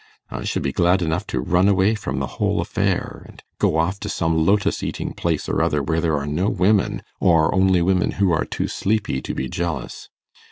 I should be glad enough to run away from the whole affair, and go off to some lotos eating place or other where there are no women, or only women who are too sleepy to be jealous.